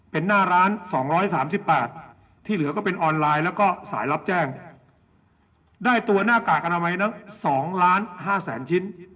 เป็นหน้าร้าน๒๓๘ที่เหลือก็เป็นออนไลน์แล้วก็สายรับแจ้งได้ตัวหน้ากากอนามัยนั้น๒ล้าน๕แสนชิ้น